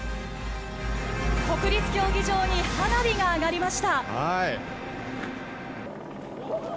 国立競技場に花火が上がりました。